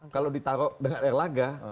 kalau ditaruh dengan erlangga